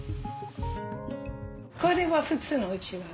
これは普通のうちわですか？